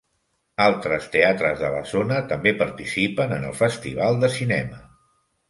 Altres teatres de la zona també participen en el festival de cinema.